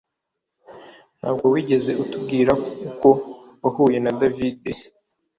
Ntabwo wigeze utubwira uko wahuye na David